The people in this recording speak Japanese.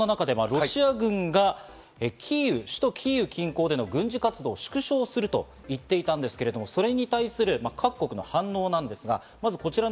そんな中でロシア軍が首都キーウ近郊での軍事活動を縮小すると言っていたんですけど、それに対する各国の反応です。